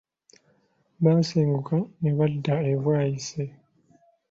Baasenguka ne badda e Bwaise!